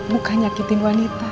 makasih poemsali tuh